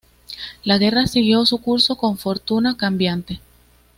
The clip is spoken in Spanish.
La guerra siguió su curso con fortuna cambiante.